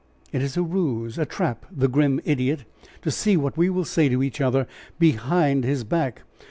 "It is a ruse, a trap, the grim idiot! to see what we will say to each other behind his back.